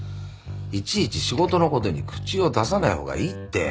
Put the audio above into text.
いちいち仕事のことに口を出さない方がいいって。